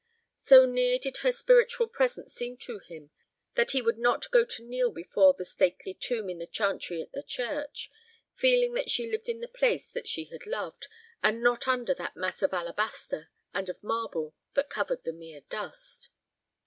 So near did her spiritual presence seem to him that he would not go to kneel before the stately tomb in the chantry at the church, feeling that she lived in the place that she had loved, and not under that mass of alabaster and of marble that covered the mere dust.